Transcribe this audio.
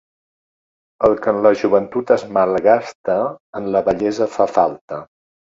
El que en la joventut es malgasta, en la vellesa fa falta.